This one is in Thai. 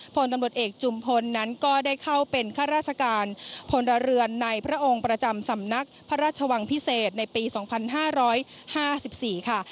พลตำรวจเอกจุมพลนั้นก็ได้เข้าเป็นข้าราชการพลเรือนในพระองค์ประจำสำนักพระราชวังพิเศษในปี๒๕๕๔ค่ะ